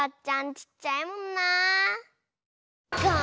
ちっちゃいもんな！